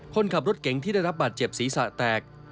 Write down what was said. คนขับรถเก๋งที่ได้รับบาดเจ็บศีรษะแตก